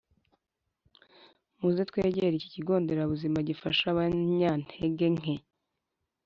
Muze twegere iki kigo nderabuzima gifasha abanyantege nke